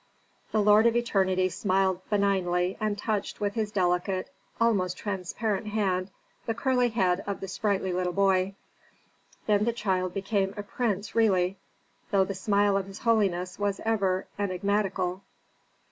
'" The lord of eternity smiled benignly and touched with his delicate, almost transparent, hand the curly head of the sprightly little boy. Then the child became a prince really, though the smile of his holiness was ever enigmatical.